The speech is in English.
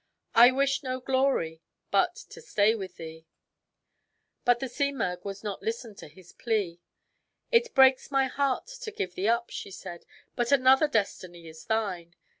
I wish no glory but to stay with thee." But the Simurgh would not listen to his plea. " It breaks my heart to give thee up," she said ; "but another destiny is thine.